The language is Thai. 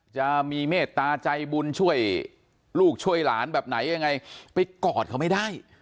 จะมีเมตตาใจบุญช่วยลูกช่วยหลานแบบไหนยังไงไปกอดเขาไม่ได้